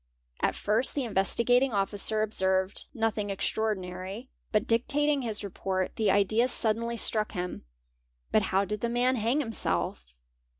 At first the Investigating Officer observed as extraordinary, but dictating his report, the idea suddenly struck him; '' But how did the man hang himself?"